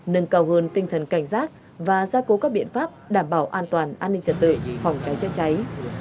nâng cao hơn tinh thần cảnh giác và gia cố các biện pháp đảm bảo an toàn an ninh trật tự phòng cháy chữa cháy